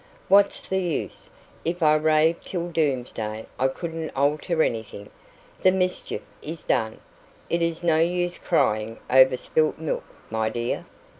"What's the use? If I raved till doomsday I couldn't alter anything. The mischief is done. It is no use crying over spilt milk, my dear."